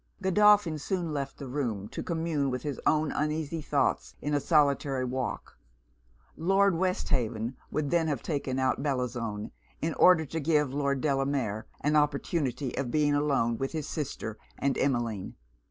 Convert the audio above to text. Godolphin soon left the room, to commune with his own uneasy thoughts in a solitary walk; Lord Westhaven would then have taken out Bellozane, in order to give Lord Delamere an opportunity of being alone with his sister and Emmeline.